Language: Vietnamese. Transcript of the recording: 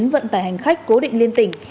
vận tải hành khách cố định liên tỉnh